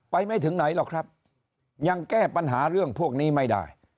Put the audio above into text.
ไม่ถึงไหนหรอกครับยังแก้ปัญหาเรื่องพวกนี้ไม่ได้